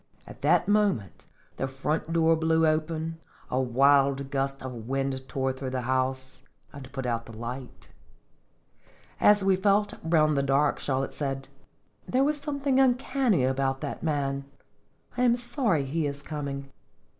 1 cried. At that moment the front door blew open, a wild gust of wind tore through the house, and put out the light; and, as we felt round in the dark, Charlotte said :" There was something uncanny about that man. I am sorry he is coming."